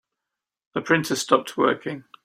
The printer stopped working.